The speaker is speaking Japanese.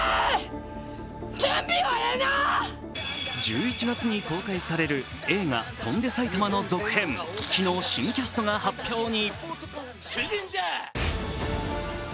１１月に公開される映画「翔んで埼玉」の続編、昨日、新キャストが発表に。